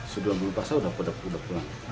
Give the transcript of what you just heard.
sebelum puasa sudah pulang